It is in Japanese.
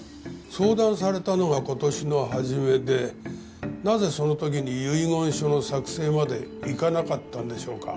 相談されたのが今年の初めでなぜその時に遺言書の作成までいかなかったんでしょうか？